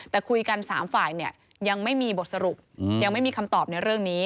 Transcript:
แต่คุยกัน๓ฝ่ายยังไม่มีบทสรุปยังไม่มีคำตอบในเรื่องนี้